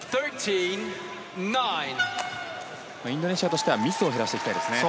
インドネシアとしてはミスを減らしていきたいですね。